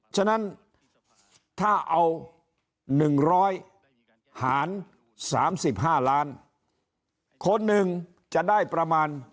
ฉะนั้นถ้าเอา๑๐๐หาร๓๕ล้านคนหนึ่งจะได้ประมาณ